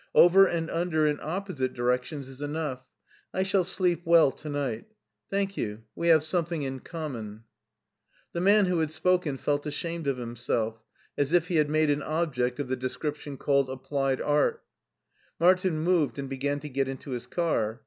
Over and under in opposite directions is enough; I shall sleep well to night. Thank you ; we have something in common." The man who had spoken felt ashamed of himself, as if he had made an object of the description called applied art Martin moved and began to get into his car.